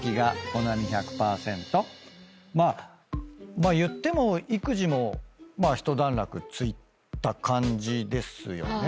まあいっても育児もひと段落ついた感じですよね。